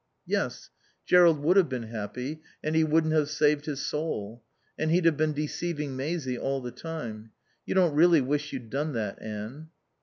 "Yes, Jerrold would have been happy. And he wouldn't have saved his soul. And he'd have been deceiving Maisie all the time. You don't really wish you'd done that, Anne."